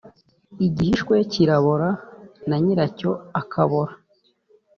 Igihiswe kirabora na nyiracyo akabora.